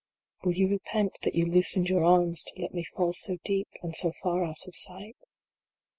Will you repent that you loosened your arms to let me fall so deep, and so far out of sight ?